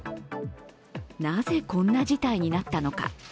なぜこんな事態になったのか。